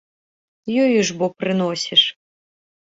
Ёю ж бо прыносіш.